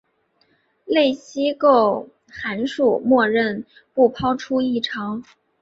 类析构函数默认不抛出异常。